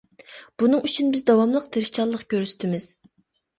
بۇنىڭ ئۈچۈن بىز داۋاملىق تىرىشچانلىق كۆرسىتىمىز.